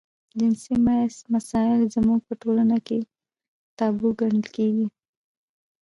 جنسي مسایل زموږ په ټولنه کې تابو ګڼل کېږي.